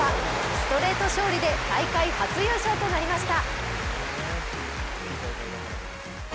ストレート勝利で大会初優勝となりました。